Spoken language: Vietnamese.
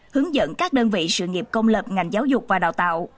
hướng dẫn các đơn vị sự nghiệp công lập ngành giáo dục và đào tạo